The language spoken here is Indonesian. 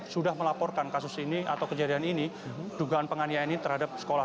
sudah melaporkan kasus ini atau kejadian ini dugaan penganiayaan ini terhadap sekolah